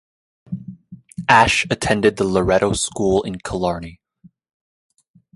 Ashe attended the Loreto school in Killarney.